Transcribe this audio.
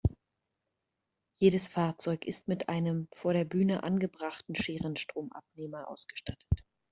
Jedes Fahrzeug ist mit einem vor der Bühne angebrachten Scherenstromabnehmer ausgestattet.